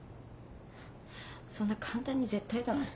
そんな簡単に「絶対」だなんて。